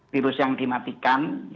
virus yang dimatikan